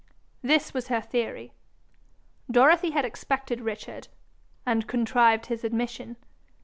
This was her theory: Dorothy had expected Richard, and contrived his admission.